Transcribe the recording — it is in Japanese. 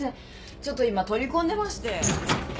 ちょっと今取り込んでまして。